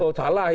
oh salah itu